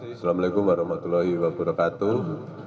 assalamualaikum warahmatullahi wabarakatuh